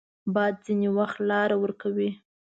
باد ځینې وخت لاره ورکوي